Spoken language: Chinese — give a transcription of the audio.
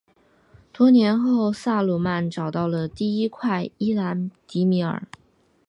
多年后萨鲁曼找到了第一块伊兰迪米尔。